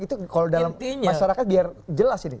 itu kalau dalam masyarakat biar jelas ini